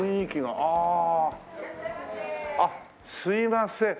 あっすいません。